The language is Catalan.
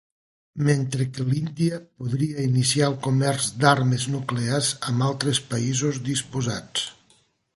Mentre que l'Índia podria iniciar el comerç d"armes nuclears amb altres països disposats.